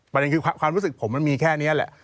ประเด็นคือความรู้สึกผมมันมีแค่นี้แหละ